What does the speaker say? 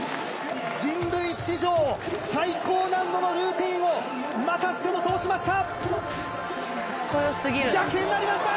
人類史上最高難度のルーティンをまたしても通しました。